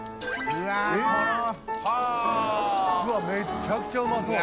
うわっめちゃくちゃうまそう！